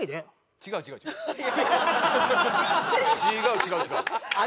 違う違う違う違う。